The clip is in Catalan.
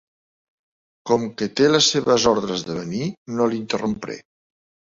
Com que té les seves ordres de venir, no l'interrompré.